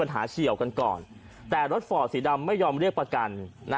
มันเป็นอะไรของมันนะ